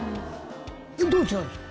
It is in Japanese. どう違うんですか？